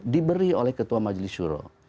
diberi oleh ketua majlis shuro